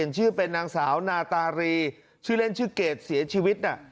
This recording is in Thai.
ชื่อเป็นนางสาวนาตารีชื่อเล่นชื่อเกดเสียชีวิต